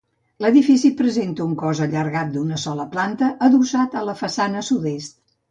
L'edifici presenta un cos allargat d'una sola planta, adossat a la façana sud-est.